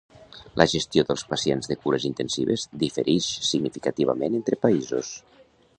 La gestió dels pacients de cures intensives diferix significativament entre països.